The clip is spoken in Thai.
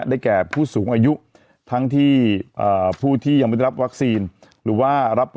ได้แก่ผู้สูงอายุทั้งที่อ่าผู้ที่ยังไม่ได้รับหรือว่ารับ